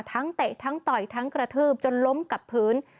เตะทั้งต่อยทั้งกระทืบจนล้มกับพื้น